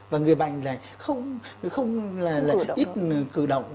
và người bệnh không ít cử động